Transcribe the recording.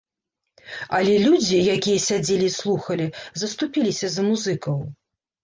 Але людзі, якія сядзелі і слухалі, заступіліся за музыкаў.